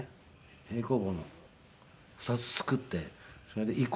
平行棒の２つ作ってそれで移行